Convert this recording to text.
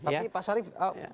tapi pak sharif